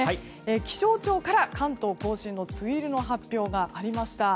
気象庁から関東・甲信の梅雨入りの発表がありました。